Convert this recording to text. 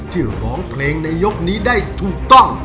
ที่จะฐานเพลงในยกนี้ได้ถูกต้อง